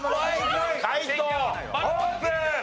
解答オープン！